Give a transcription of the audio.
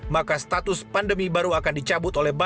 maka status pandemi baru akan dicabut oleh bank